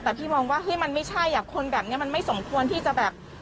แต่พี่มองว่าเฮ้ยมันไม่ใช่อ่ะคนแบบนี้มันไม่สมควรที่จะแบบ